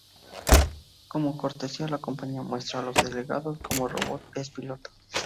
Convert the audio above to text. Como cortesía, la compañía muestra a los delegados cómo el robot es pilotado.